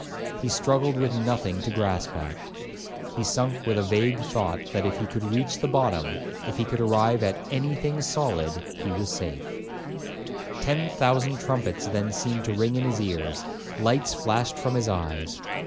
He struggled with nothing to grasp at. He sunk with a vague thought, that if he could reach the bottom, if he could arrive at any thing solid, he was safe. Ten thousand trumpets then seemed to ring in his ears; lights flashed from his eyes.